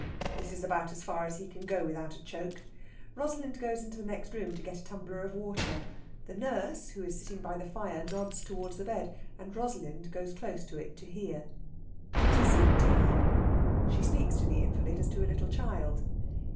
This is about as far as he can go without a choke. Rosalind goes into the next room to get a tumbler of water. The nurse, who is sitting by the fire, nods towards the bed, and Rosalind goes close to it to hear. "What is it, dear?" She speaks to the invalid as to a little child.